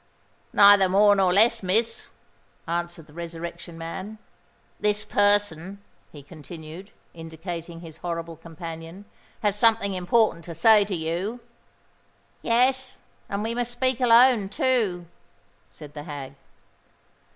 "Neither more nor less, Miss," answered the Resurrection Man. "This person," he continued, indicating his horrible companion, "has something important to say to you." "Yes—and we must speak alone, too," said the hag.